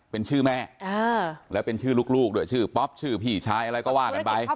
เป็นชื่อแม่แล้วเป็นชื่อลูกด้วยชื่อป๊อปชื่อพี่ชายอะไรก็ว่ากันไป